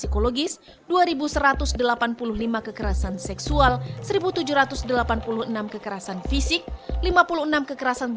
kalau kamu tidak mau